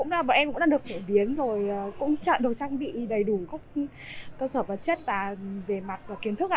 thì bọn em cũng đã được phổ biến rồi cũng chọn đồ trang bị đầy đủ các sở vật chất và về mặt kiến thức